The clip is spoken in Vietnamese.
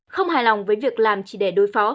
không hài lòng với việc làm chỉ để đối phó